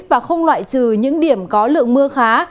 và không loại trừ những điểm có lượng mưa khá